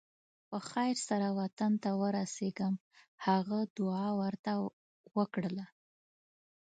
په خیر سره وطن ته ورسېږم هغه دعا ورته وکړله.